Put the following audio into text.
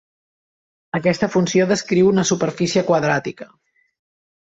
Aquesta funció descriu una superfície quadràtica.